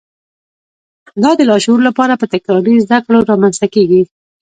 دا د لاشعور لپاره په تکراري زده کړو رامنځته کېږي